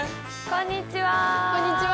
こんにちは！